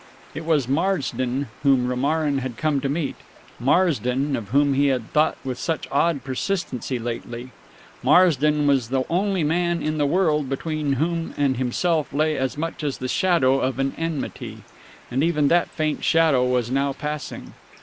It was Marsden whom Romarin had come to meet Marsden, of whom he had thought with such odd persistency lately. Marsden was the only man in the world between whom and himself lay as much as the shadow of an enmity; and even that faint shadow was now passing.